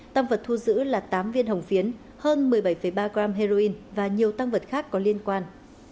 tăng vật thu giữ là tám viên hồng phiến hơn một mươi bảy ba gram heroin và nhiều tăng vật khác có liên quan